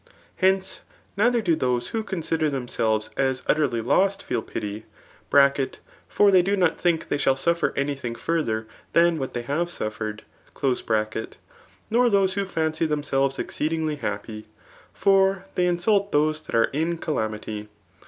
Henc^ neither do those who consider themselves as utterly lost feel pify ; (for they do not thiflAi they idiall suffer any thing further than what they have suffered) nor those who fancy themselves eacceedkigly happy ; for chey insult [those that ao e in calamity.